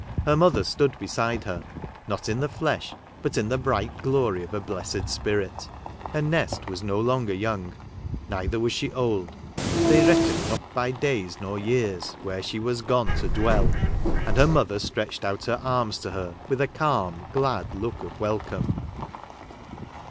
Her mother stood beside her — not in the flesh, but in the bright glory of a blessed spirit. And Nest was no longer young — neither was she old —" they reckon not by days, nor years where she was gone to dwell ;" and her mother stretched out her arms to her with a calm glad look of welcome.